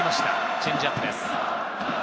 チェンジアップです。